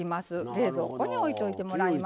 冷蔵庫においといてもらいます。